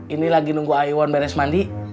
ini lagi nunggu iwan beres mandi